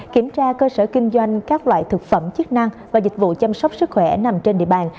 kiểm tra cơ sở kinh doanh các loại thực phẩm chức năng và dịch vụ chăm sóc sức khỏe nằm trên địa bàn